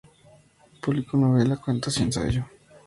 Publicó novela, cuentos y ensayo.